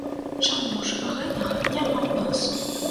Чаму ж гэтага няма ў нас?